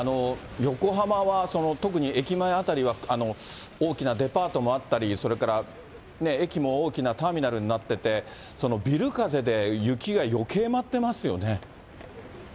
横浜は特に駅前辺りは大きなデパートもあったり、それから駅も大きなターミナルになっていて、ビル風で雪がよけい舞ってますよね。